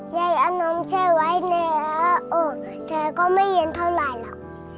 ยายเอานมแช่ไว้ในโอ่งแต่ก็ไม่เย็นเท่าไรหรอก